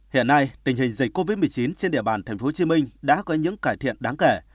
hiện nay tình hình dịch covid một mươi chín trên địa bàn tp hcm đã có những cải thiện đáng kể